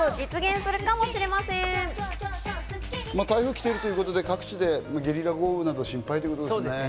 台風が来ているということで、各地でゲリラ豪雨など心配ですね。